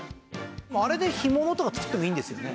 あれで干物とか作ってもいいんですよね。